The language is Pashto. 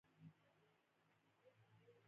د عزت د نجات لپاره له پوړ څخه پر ځمکه رالوېږي.